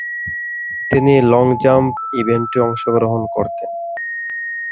তিনি long jump ইভেন্টে অংশগ্রহণ করতেন।